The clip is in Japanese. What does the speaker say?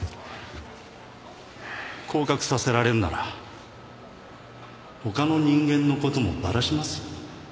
降格させられるなら他の人間の事もバラしますよ。